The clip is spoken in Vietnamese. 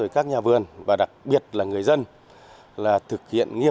các nhà vườn và đặc biệt là người